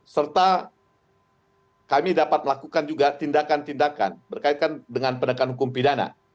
serta kami dapat melakukan juga tindakan tindakan berkaitan dengan penegakan hukum pidana